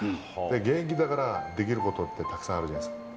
現役だからできることってたくさんあるじゃないですか。